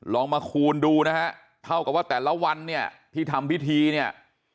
ลองมาคูณดูนะฮะเท่ากับว่าแต่ละวันเนี่ยที่ทำพิธีเนี่ย